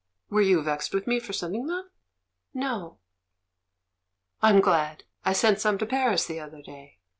"Were you vexed with me for sending them?" "No." "I'm glad. I sent some to Paris the other day."